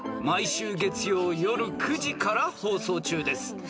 ［毎週月曜夜９時から放送中です］